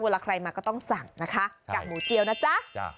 เวลาใครมาก็ต้องสั่งนะคะกากหมูเจียวนะจ๊ะ